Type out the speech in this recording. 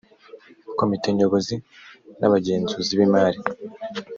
komite nyobozi n abagenzuzi b imari